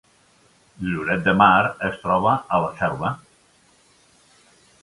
Lloret de Mar es troba a la Selva